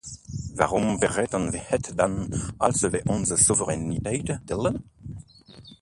Waarom vergeten we het dan als we onze soevereiniteit delen?